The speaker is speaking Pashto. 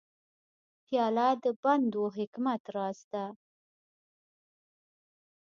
پیاله د پند و حکمت راز ده.